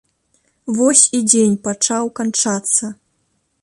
Вось і дзень пачаў канчацца.